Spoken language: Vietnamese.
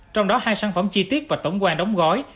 trong đó hai sản phẩm chi tiết và tổng quan đóng gói